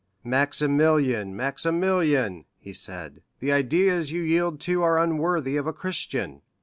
"Maximilian, Maximilian," he said, "the ideas you yield to are unworthy of a Christian."